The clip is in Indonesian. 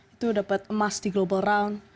itu dapat emas di global round